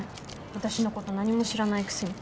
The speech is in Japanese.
私のこと何も知らないくせに。